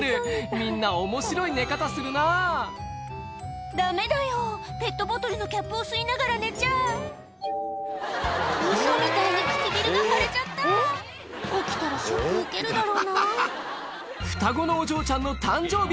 みんな面白い寝方するなダメだよペットボトルのキャップを吸いながら寝ちゃウソみたいに唇が腫れちゃった起きたらショック受けるだろうな双子のお嬢ちゃんの誕生日